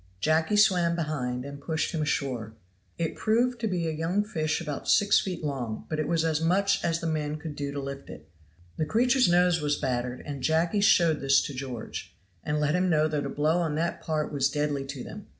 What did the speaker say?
Jacky swam behind, and pushed him ashore. It proved to be a young fish about six feet long; but it was as much as the men could do to lift it. The creature's nose was battered, and Jacky showed this to George, and let him know that a blow on that part was deadly to them.